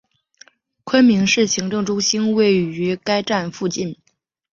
昆明市行政中心位于该站附近。